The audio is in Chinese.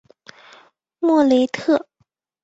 莫雷特。